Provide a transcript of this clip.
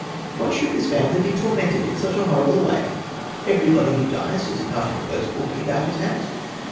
Why should this family be tormented in such a horrible way? Everybody who dies does not have a ghost walking about his house."